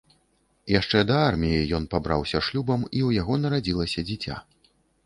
Яшчэ да арміі ён пабраўся шлюбам, у яго нарадзілася дзіця.